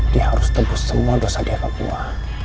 dia harus tebus semua dosa dia ke gua